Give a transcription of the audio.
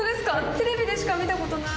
テレビでしか見たことない。